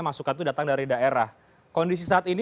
masukan itu datang dari daerah kondisi saat ini